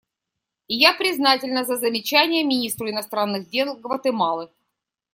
И я признательна за замечания министру иностранных дел Гватемалы.